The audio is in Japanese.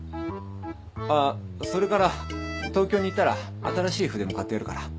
あっそれから東京に行ったら新しい筆も買ってやるから。